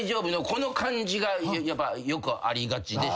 この感じがやっぱよくありがちでした。